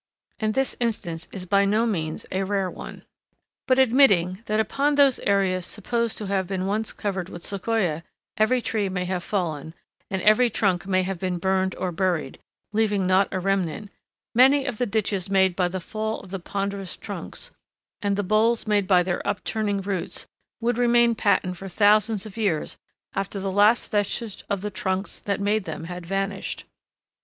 And this instance is by no means a rare one. But admitting that upon those areas supposed to have been once covered with Sequoia every tree may have fallen, and every trunk may have been burned or buried, leaving not a remnant, many of the ditches made by the fall of the ponderous trunks, and the bowls made by their upturning roots, would remain patent for thousands of years after the last vestige of the trunks that made them had vanished.